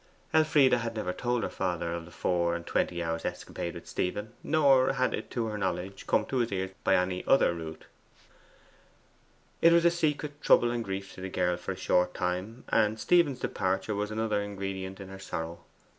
Elfride had never told her father of the four and twenty hours' escapade with Stephen, nor had it, to her knowledge, come to his ears by any other route. It was a secret trouble and grief to the girl for a short time, and Stephen's departure was another ingredient in her sorrow.